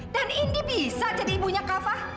dan indi bisa jadi ibunya kava